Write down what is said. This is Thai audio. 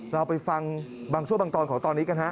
เราไปฟังบางช่วงบางตอนของตอนนี้กันฮะ